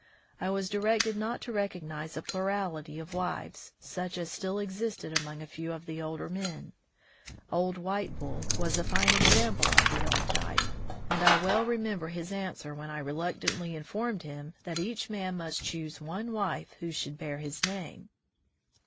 I was directed not to recognize a plurality of wives, such as still existed among a few of the older men. Old White Bull was a fine example of the old type, and I well remember his answer when I reluctantly 184 TT ■«• 1 The Soul of the White Man informed him that each man must choose one wife who should bear his name.